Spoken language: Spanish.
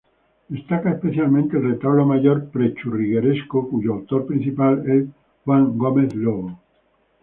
Destaca especialmente el retablo mayor pre-churrigueresco cuyo autor principal es Juan Gómez Lobo.